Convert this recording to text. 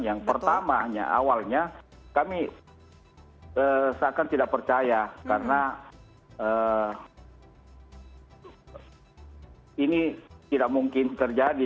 yang pertamanya awalnya kami seakan tidak percaya karena ini tidak mungkin terjadi